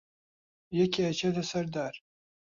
یەکێ ئەچێتە سەر دار